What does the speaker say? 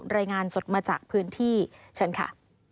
รายงานสดมาจากพื้นที่เชิญค่ะ